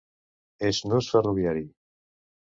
És nus ferroviari.